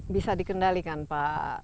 bisa dikendalikan pak